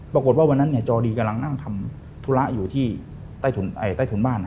วันนั้นจอดีกำลังนั่งทำธุระอยู่ที่ใต้ถุนบ้าน